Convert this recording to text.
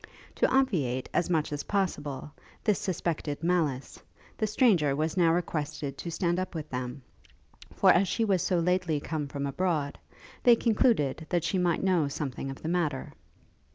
To obviate, as much as possible, this suspected malice, the stranger was now requested to stand up with them; for as she was so lately come from abroad, they concluded that she might know something of the matter.